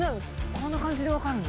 こんな感じで分かるの？